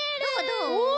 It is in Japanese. どう？